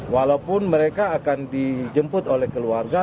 walaupun mereka akan dijemput oleh keluarga